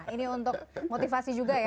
ini untuk motivasi juga ya